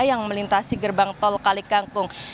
yang melintasi gerbang tol kalikangkung